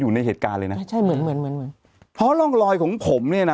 อยู่ในเหตุการณ์เลยนะไม่ใช่เหมือนเหมือนเหมือนเหมือนเพราะร่องรอยของผมเนี่ยนะ